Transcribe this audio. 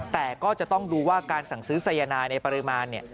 แต่ก็จะต้องดูว่าการสั่งซื้อสายนายในปริมาณเนี่ย